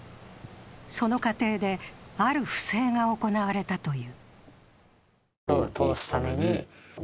その過程で、ある不正が行われたという。